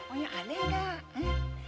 oh yang ada gak